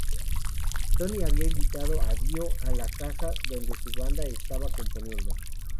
Tony había invitado a Dio a la casa donde su banda estaba componiendo.